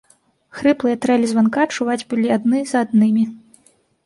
Хрыплыя трэлі званка чуваць былі адны за аднымі.